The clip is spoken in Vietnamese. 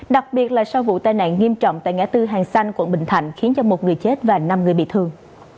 đặc biệt là sau vụ tai nạn nghiêm trọng tại ngã tư hàng xanh quận bình thạnh khiến cho một người chết và năm người bị thương